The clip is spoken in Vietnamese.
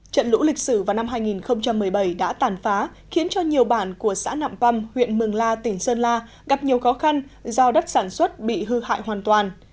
trận lũ lịch sử vào năm hai nghìn một mươi bảy đã tàn phá khiến cho nhiều bản của xã nạm păm huyện mường la tỉnh sơn la gặp nhiều khó khăn do đất sản xuất bị hư hại hoàn toàn